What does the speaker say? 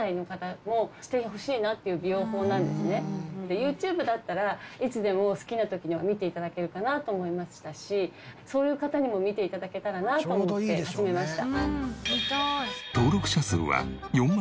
ＹｏｕＴｕｂｅだったらいつでも好きな時に見て頂けるかなと思いましたしそういう方にも見て頂けたらなと思って始めました。